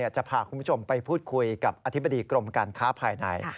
จะพาคุณผู้ชมไปพูดคุยกับอธิบดีกรมการค้าภายใน